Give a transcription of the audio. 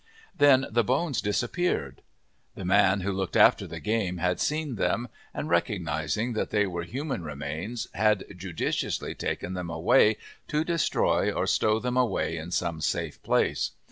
Then the bones disappeared. The man who looked after the game had seen them, and recognizing that they were human remains had judiciously taken them away to destroy or stow them away in some safe place.